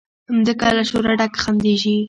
مځکه له شوره ډکه خندیږي